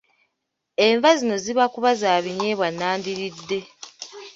Enva zino zibakuba za binyeebwa n’andiridde.